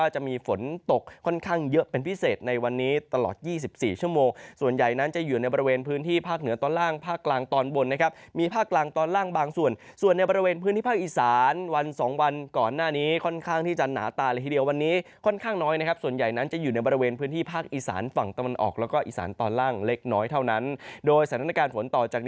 ๒๔ชั่วโมงส่วนใหญ่นั้นจะอยู่ในบริเวณพื้นที่ภาคเหนือตอนล่างภาคกลางตอนบนนะครับมีภาคกลางตอนล่างบางส่วนส่วนในบริเวณพื้นที่ภาคอีสานวัน๒วันก่อนหน้านี้ค่อนข้างที่จะหนาตาเลยทีเดียววันนี้ค่อนข้างน้อยนะครับส่วนใหญ่นั้นจะอยู่ในบริเวณพื้นที่ภาคอีสานฝั่งตะวันออกแล้วก็อีสานตอนล่างเล็ก